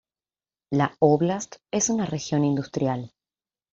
La óblast es una región industrial.